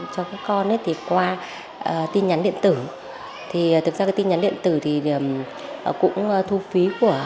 cho các con thì qua tin nhắn điện tử thì thực ra cái tin nhắn điện tử thì cũng thu phí của